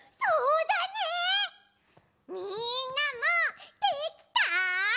みんなもできた？